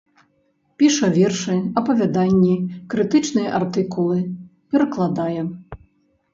Піша вершы, апавяданні, крытычныя артыкулы, перакладае.